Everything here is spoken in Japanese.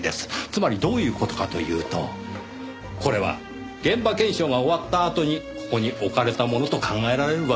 つまりどういう事かというとこれは現場検証が終わったあとにここに置かれたものと考えられるわけですよ。